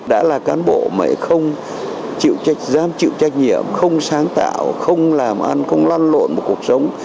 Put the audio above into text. đã là cán bộ mà không chịu trách nhiệm không sáng tạo không làm ăn không loan lộn một cuộc sống